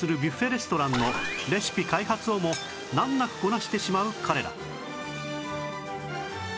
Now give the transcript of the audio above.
レストランのレシピ開発をも難なくこなしてしまう彼ら